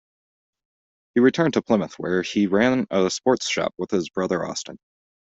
He returned to Plymouth, where he ran a sports shop with his brother Austin.